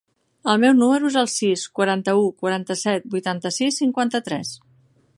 El meu número es el sis, quaranta-u, quaranta-set, vuitanta-sis, cinquanta-tres.